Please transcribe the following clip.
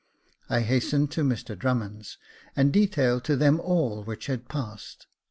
I hastened to Mr Drummond's, and detailed to them all which had passed.